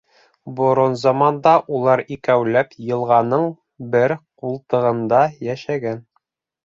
Борон заманда улар икәүләп йылғаның бер ҡултығында йәшәгән.